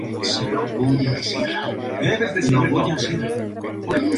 El sufragio asegura el poder para una pequeña minoría de las clases propietarias.